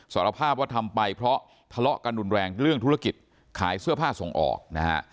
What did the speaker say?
สารภาพว่าทำไปเพราะทะเลาะกันรุนแรงเรื่องธุรกิจขายเสื้อผ้าส่งออกนะฮะ